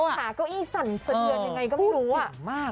รู้สึกหาเก้าอี้สั่นเฉินเงียนพูดเก่งมาก